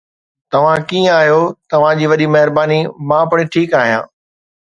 توهان ڪيئن آهيو، توهان جي وڏي مهرباني، مان پڻ ٺيڪ آهيان